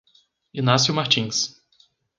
Inácio Martins